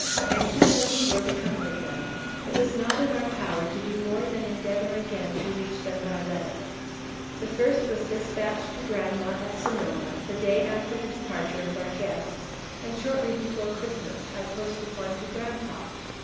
Anxious as we were to comfort them, it was not in our power to do more than endeavor again to reach them by letter. The first was despatched to grandma at Sonoma, the day after the departure of our guests; and shortly before Christmas I posted one to grandpa.